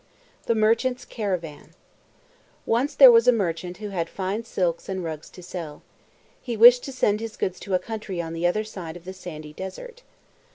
THE MERCHANT'S CARAVAN Once there was a merchant who had fine silks and rugs to sell. He wished to send his goods to a country on the other side of the sandy desert.